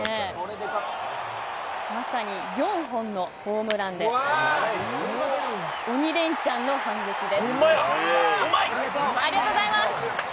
まさに４本のホームランで鬼レンチャンの反撃で。